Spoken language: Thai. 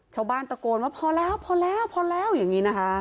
ชาวบ้านตะโกนว่าพอแล้วอย่างนี้นะคะ